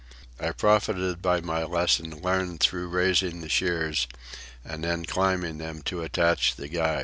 I profited by my lesson learned through raising the shears and then climbing them to attach the guys.